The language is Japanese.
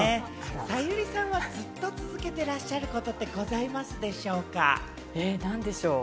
小百合さんはずっと続けてらっしゃることってございますでしょう何でしょう？